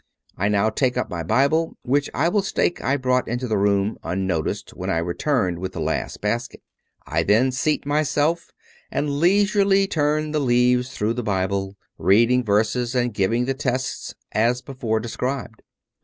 I now take up my Bible, which I will stake I brought into the room, unnoticed, when I returned with the last basket. I then seat myself and leisurely turn the leaves 274 David P. Abbott through the Bible, reading verses, and giving the tests as before described.